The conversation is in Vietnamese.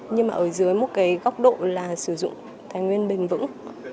nhưng mà ở dưới một cái góc độ là sử dụng thái nguyên bình vững